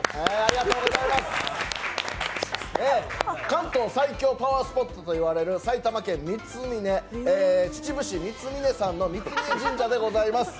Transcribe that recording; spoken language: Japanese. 関東最強パワースポットといわれる、埼玉県三峰山の三峯神社でございます。